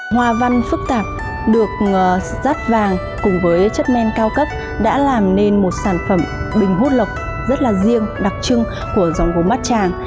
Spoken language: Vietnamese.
hòa văn phức tạp được rắt vàng cùng với chất men cao cấp đã làm nên một sản phẩm bình hút lọc rất là riêng đặc trưng của dòng vốn bát tràng